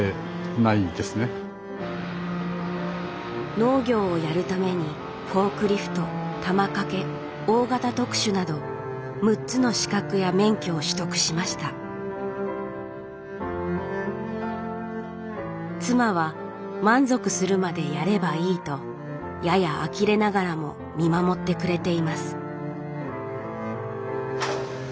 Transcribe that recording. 農業をやるためにフォークリフト玉掛け大型特殊など６つの資格や免許を取得しました妻は満足するまでやればいいとややあきれながらも見守ってくれています